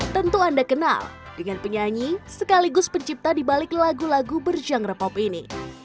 tentu anda kenal dengan penyanyi sekaligus pencipta di balik lagu lagu berjangre pop ini